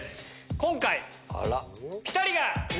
今回ピタリが。